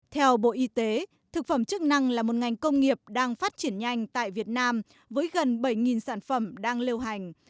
theo bộ y tế thực phẩm chức năng là một ngành công nghiệp đang phát triển nhanh tại việt nam với gần bảy sản phẩm đang lưu hành